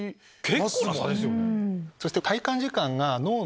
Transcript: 結構な差ですよね。